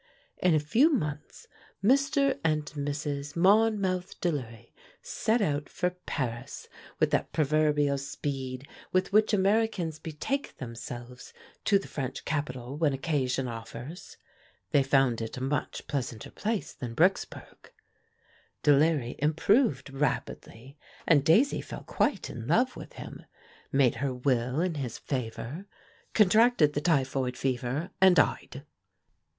In a few months Mr. and Mrs. Monmouth Delury set out for Paris with that proverbial speed with which Americans betake themselves to the French capital when occasion offers. They found it a much pleasanter place than Bricksburg. Delury improved rapidly and Daisy fell quite in love with him, made her will in his favor, contracted the typhoid fever and died.